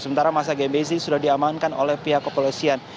sementara masa gbzi sudah diamankan oleh pihak kepolisian